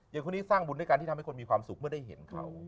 คนนี้สร้างบุญด้วยการที่ทำให้คนมีความสุขเมื่อได้เห็นเขา